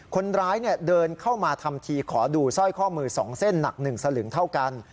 คนร้ายเดินเข้ามาทำทีขอดูสร้อยข้อมือ๒เส้นหนัก๑สลึงเท่ากัน